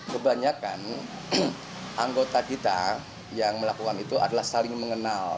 kebanyakan anggota kita yang melakukan itu adalah saling mengenal